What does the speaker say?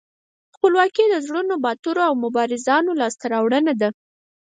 خپلواکي د زړورو، باتورو او مبارزانو لاسته راوړنه ده.